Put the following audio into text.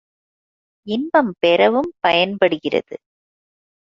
இன்பம் பெறவும் பயன்படுகிறது.